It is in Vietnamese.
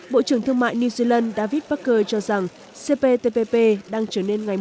bộ trưởng thương mại new zealand david parker cho rằng cptpp đang trở nên nguy hiểm